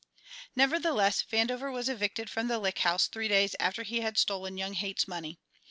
Nevertheless, Vandover was evicted from the Lick House three days after he had stolen young Haight's money.